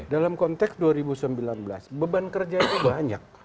dalam konteks dua ribu sembilan belas beban kerja itu banyak